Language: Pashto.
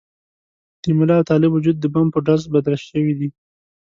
د ملا او طالب وجود د بم په ډز بدل شوي دي.